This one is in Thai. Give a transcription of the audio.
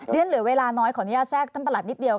เรียนเหลือเวลาน้อยขออนุญาตแทรกท่านประหลัดนิดเดียว